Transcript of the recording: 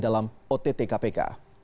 dalam ott kpk